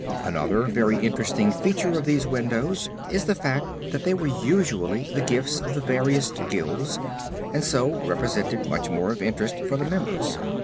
Another very interesting feature of these windows is the fact that they were usually the gifts of the various Guilds and so represented much more of interest, for the members.